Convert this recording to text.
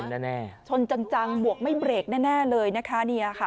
แน่ชนจังจังหวกไม่เบรกแน่เลยนะคะเนี่ยค่ะ